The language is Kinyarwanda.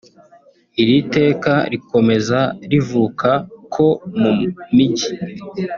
Iri teka rikomeza rivuka ko mu Mijyi